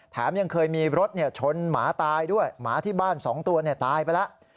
ยังเคยมีรถชนหมาตายด้วยหมาที่บ้าน๒ตัวตายไปแล้ว